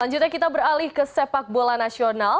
selanjutnya kita beralih ke sepak bola nasional